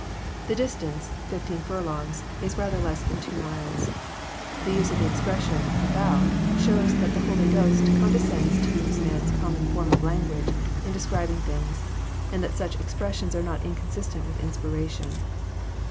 The distance, fifteen flirlongs, is rather less than two miles. The use of the expression, " about," shows that the Holy Ghost condescends to use man's common form of language in describ ing things, and that such expressions are not inconsistent with Inspiration.